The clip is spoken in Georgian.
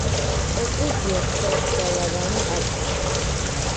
ეკლესიას გარს გალავანი აკრავს.